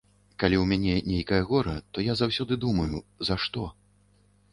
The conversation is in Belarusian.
Калі ў мяне нейкае гора, то я заўсёды думаю, за што?